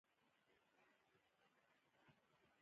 ټولې وعدې عملي کړي.